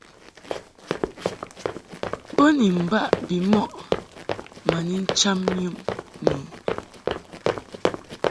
Bo ni mbaʼ bimɔʼ ma ni ncham yum mɨ.